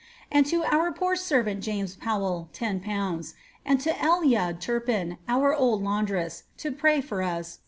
And to our poor servant James Powell, 10/., and to Elya Turpin, our old laundress, to pray for us, 4